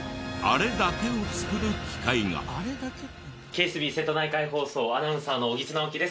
ＫＳＢ瀬戸内海放送アナウンサーの荻津尚輝です。